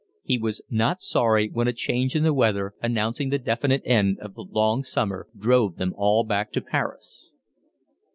He was not sorry when a change in the weather, announcing the definite end of the long summer, drove them all back to Paris.